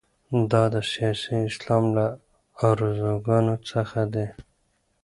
دا د سیاسي اسلام له ارزوګانو څخه دي.